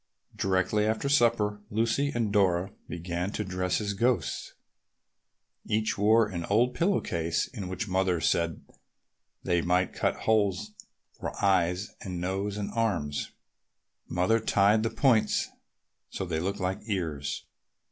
Directly after supper Lucy and Dora began to dress as ghosts. Each wore an old pillow case in which Mother said they might cut holes for eyes and noses and arms. Mother tied the points so they looked like ears.